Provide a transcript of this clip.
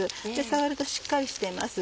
触るとしっかりしています。